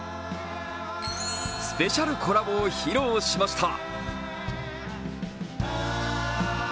スペシャルコラボを披露しました。